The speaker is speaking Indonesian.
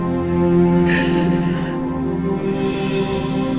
kalau mau h creatureolution sekarang